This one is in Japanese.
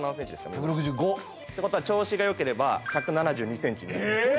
１６５てことは調子がよければ１７２ｃｍになります